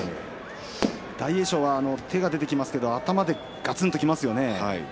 大栄翔は手が出てきますけど、頭でガツンときますよね。